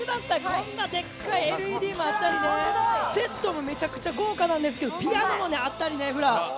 こんなでっかいＬＥＤもあったりね、セットもめちゃくちゃ豪華なんですけれども、ピアノもあったりね。